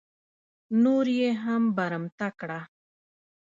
نور یې هم برمته کړه.